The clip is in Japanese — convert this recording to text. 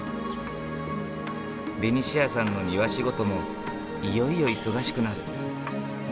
ベニシアさんの庭仕事もいよいよ忙しくなる。